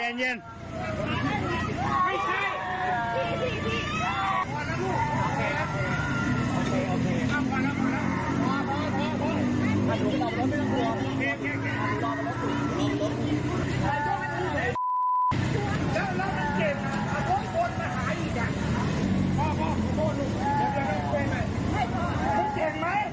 แล้วมันเจ็บพวกมันหายอีกอ่ะ